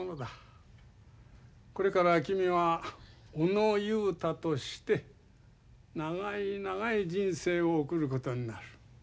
これから君は小野雄太として長い長い人生を送ることになる。